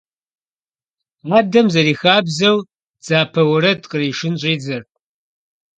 Адэм, зэрихабзэу, дзапэ уэрэд къришын щIидзэрт.